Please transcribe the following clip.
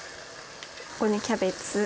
ここにキャベツ。